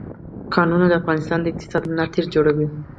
کانونه د افغانستان د اقتصاد ملا تیر جوړوي.